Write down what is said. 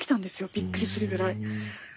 びっくりするぐらい。